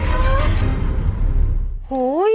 เป็นไงน่ากลัวนะ